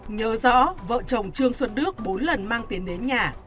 nhớ rõ vợ chồng trương xuân đước bốn lần mang tiền đến nhà